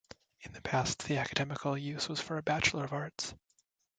In the past, the academical use was for a Bachelor of Arts.